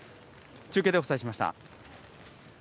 中継でお伝えしました。